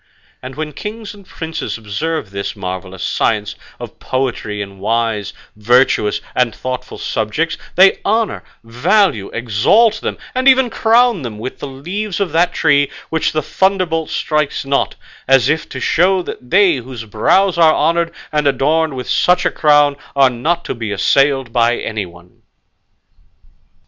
And when kings and princes observe this marvellous science of poetry in wise, virtuous, and thoughtful subjects, they honour, value, exalt them, and even crown them with the leaves of that tree which the thunderbolt strikes not, as if to show that they whose brows are honoured and adorned with such a crown are not to be assailed by anyone."